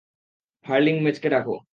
হারলিং মেজকে ডাকো।